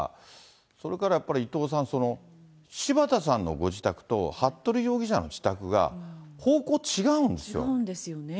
それからやっぱり伊藤さん、柴田さんのご自宅と、服部容疑者の自宅が、違うんですよね。